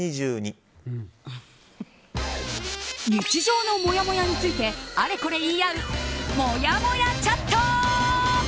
日常のもやもやについてあれこれ言い合うもやもやチャット。